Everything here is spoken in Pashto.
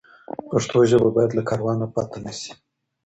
پښتو ژبه باید له کاروانه پاتې نه سي.